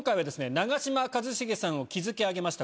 長嶋一茂さんを築き上げました